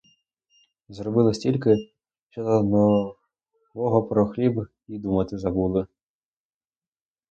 Заробили стільки, що до нового про хліб і думати забули.